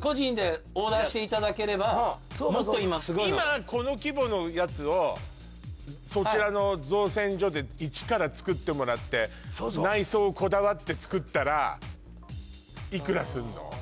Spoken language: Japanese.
個人でオーダーしていただければもっと今すごいの今この規模のやつをそちらの造船所でイチからつくってもらって内装こだわってつくったらいくらすんの？